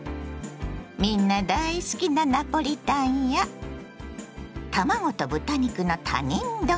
みんな大好きなナポリタンや卵と豚肉の他人丼。